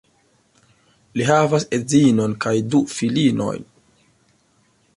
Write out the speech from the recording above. Li havis edzinon kaj du filinojn.